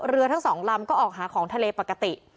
เรือทั้งสองลำก็ออกหาของทะเลปกติ